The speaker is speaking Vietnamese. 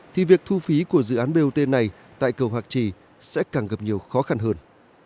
thì việc thu phí của dự án bot này tại cầu hạc trì sẽ càng gặp nhiều khó khăn hơn